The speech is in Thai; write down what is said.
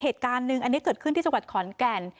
เหตุการณ์หนึ่งอันนี้เกิดขึ้นที่จังหวัดขอนแก่น